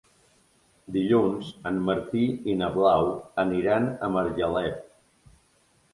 Dilluns en Martí i na Blau aniran a Margalef.